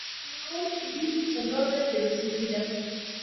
په را روانې اوونۍ کې څلور ورځې رخصتي ده.